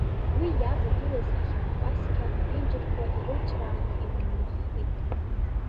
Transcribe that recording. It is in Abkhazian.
Уи иавагылаз ахьатә кәасқьа аԥенџьырқәа ирылҵәрааны илыҩнаххит.